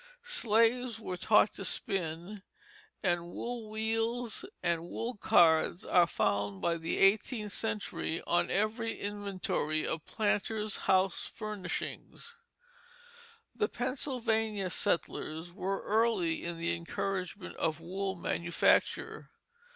Slaves were taught to spin; and wool wheels and wool cards are found by the eighteenth century on every inventory of planters' house furnishings. The Pennsylvania settlers were early in the encouragement of wool manufacture.